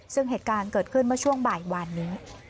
ซึ่งเหตุการณ์เกิดขึ้นเมื่อช่วงบ่ายวานนี้